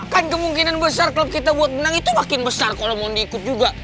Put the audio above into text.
kan kemungkinan besar klub kita buat menang itu makin besar kalau mau diikut juga